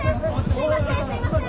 すいませんすいません！